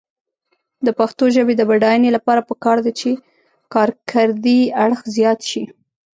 د پښتو ژبې د بډاینې لپاره پکار ده چې کارکردي اړخ زیات شي.